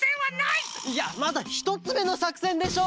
いやまだひとつめのさくせんでしょ！